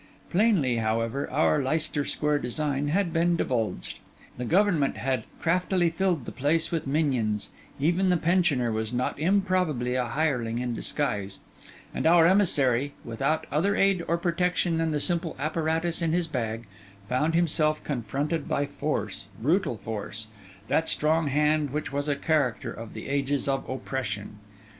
Plainly, however, our Leicester Square design had been divulged; the Government had craftily filled the place with minions; even the pensioner was not improbably a hireling in disguise; and our emissary, without other aid or protection than the simple apparatus in his bag, found himself confronted by force; brutal force; that strong hand which was a character of the ages of oppression.